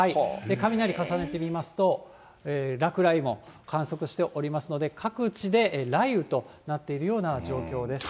雷重ねてみますと、落雷も観測しておりますので、各地で雷雨となっているような状況です。